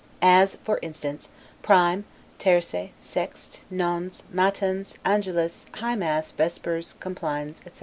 As, for instance, Prime, Tierce, Sexte, Nones, Matins, Angelus, High Mass, Vespers, Complines, etc.